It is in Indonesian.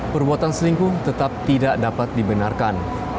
perbuatan selingkuh tetap tidak dapat dibenarkan